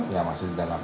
ya masih di dalam